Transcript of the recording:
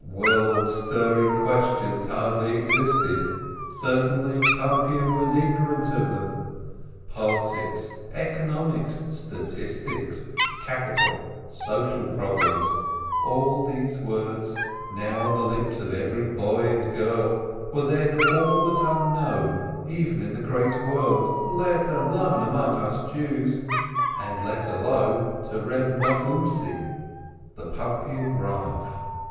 World stirring questions hardly existed (certainly Pumpian was ignorant of them) : politics, economics, statistics, capital, social problems, all these words, now on the lips of every boy and girl, were then all but unknown even in the great world, let alone among us Jews, and let alone to Reb Nochumtzi, the Pumpian Eav !